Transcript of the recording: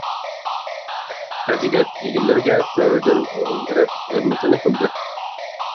پەزىلەت ئىگىلىرىگە تۆردىن ئورۇن بېرىپ ھۆرمىتىنى قىلدى.